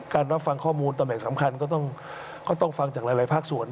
การรับฟังข้อมูลตำแห่งสำคัญก็ต้องก็ต้องฟังจากหลายหลายภาคส่วน